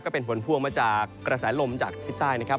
เป็นผลพวงมาจากกระแสลมจากทิศใต้นะครับ